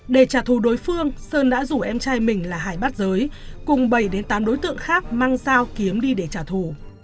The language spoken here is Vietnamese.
để trả thù đối phương sơn đã rủ em trai mình là hải bát giới cùng bảy tám đối tượng khác mang sao kiếm đi để trả thù